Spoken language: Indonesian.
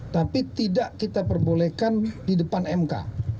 tapi tidak kita perbolehkan di depan mk